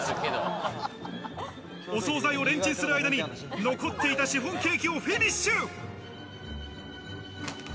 お惣菜をレンチンする間に残っていたシフォンケーキをフィニッシュ。